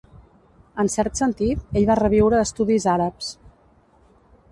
En cert sentit, ell va reviure estudis àrabs.